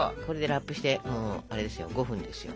これでラップをして５分ですよ。